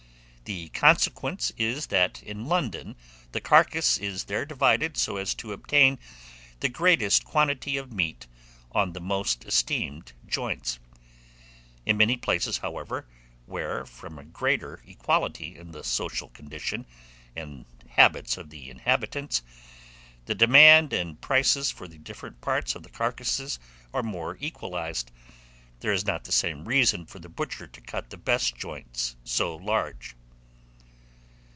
The consequence is, that in London the carcass is there divided so as to obtain the greatest quantity of meat on the most esteemed joints. In many places, however, where, from a greater equality in the social condition and habits of the inhabitants, the demand and prices for the different parts of the carcasses are more equalized, there is not the same reason for the butcher to cut the best joints so large.